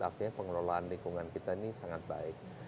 artinya pengelolaan lingkungan kita ini sangat baik